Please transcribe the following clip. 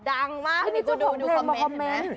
ดังมากมีคนดูคอมเมนต์